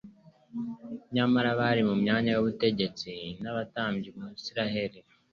Nyamara abari mu myanya y'ubutegetsi n'abatambyi mu Isiraheli,